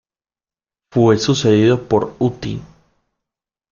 Fue sucedido por Uti.